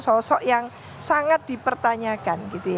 sosok yang sangat dipertanyakan